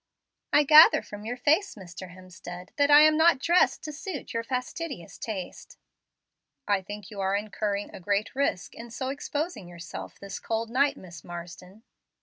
"I gather from your face, Mr. Hemstead, that I am not dressed to suit your fastidious taste." "I think you are incurring a great risk in so exposing yourself this cold night, Miss Marsden."